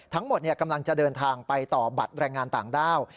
กำลังจะเดินทางไปต่อบัตรแรงงานต่างด้าว